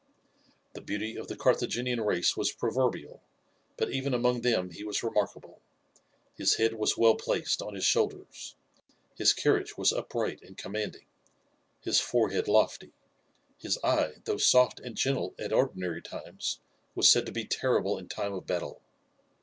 The beauty of the Carthaginian race was proverbial, but even among them he was remarkable. His head was well placed on his shoulders; his carriage was upright and commanding; his forehead lofty; his eye, though soft and gentle at ordinary times, was said to be terrible in time of battle.